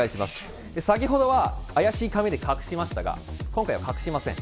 先ほどは、怪しい紙で隠しましたが、今回は隠しません。